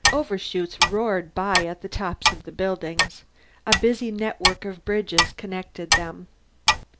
Overshoots roared by the tops of the buildings. A busy network of bridges connected them.